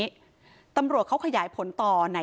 แต่คุณผู้ชมค่ะตำรวจก็ไม่ได้จบแค่ผู้หญิงสองคนนี้